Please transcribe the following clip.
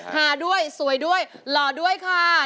หาด้วยสวยด้วยหล่อด้วยค่ะ